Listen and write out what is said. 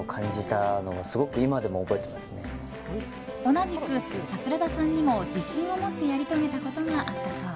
同じく、桜田さんにも自信を持ってやり遂げたことがあったそう。